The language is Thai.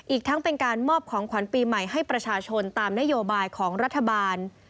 อีกทั้งเป็นการมอบของขวัญปีใหม่ให้ประชาชนตามนโยบายของรัฐบาล